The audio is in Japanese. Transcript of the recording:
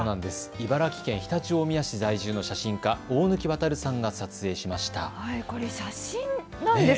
茨城県常陸大宮市在住の写真家、大貫亘さんが撮影したものです。